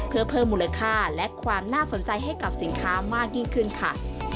เพื่อเพิ่มมูลค่าและความน่าสนใจให้กับสินค้ามากยิ่งขึ้นค่ะ